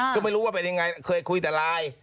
ก็ไม่รู้ว่าเป็นยังไงเคยคุยแต่ไลน์